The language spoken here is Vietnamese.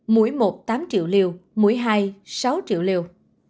mũi một tám triệu liều mũi hai sáu triệu liều